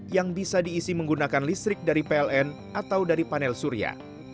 yang bisa diisi menggunakan listrik dari pln atau dari panel surya